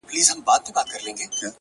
ماسومان زموږ وېريږي ورځ تېرېږي؛